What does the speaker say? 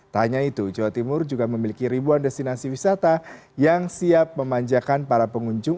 tak hanya itu jawa timur juga memiliki ribuan destinasi wisata yang siap memanjakan para pengunjung